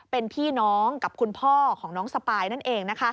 เป็นพี่น้องกับคุณพ่อของน้องสปายนั่นเองนะคะ